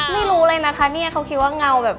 ไม่รู้เลยนะคะเนี่ยเขาคิดว่าเงาแบบ